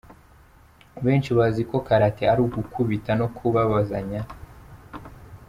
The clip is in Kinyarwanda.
"Benshi bazi ko karate ari gukubitana no kubabazanya.